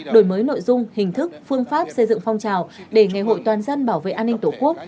đổi mới nội dung hình thức phương pháp xây dựng phong trào để ngày hội toàn dân bảo vệ an ninh tổ quốc